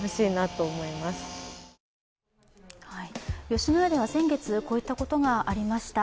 吉野家では先月こういったことがありました。